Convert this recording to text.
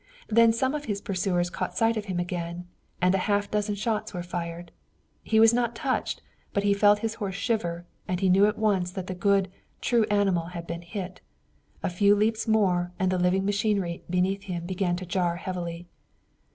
Then some of his pursuers caught sight of him again, and a half dozen shots were fired. He was not touched, but he felt his horse shiver and he knew at once that the good, true animal had been hit. A few leaps more and the living machinery beneath him began to jar heavily.